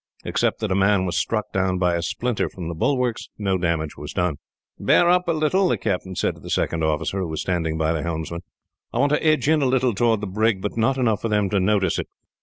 Except that a man was struck down by a splinter from the bulwarks, no damage was done. "Bear up a little," the captain said to the second officer, who was standing by the helmsman. "I want to edge in a little towards the brig, but not enough for them to notice it.